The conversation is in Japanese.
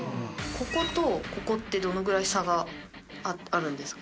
こことここってどのぐらい差があるんですか？